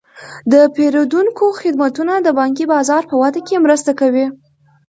د پیرودونکو خدمتونه د بانکي بازار په وده کې مرسته کوي.